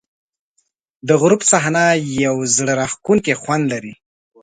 د غروب صحنه یو زړه راښکونکی خوند لري.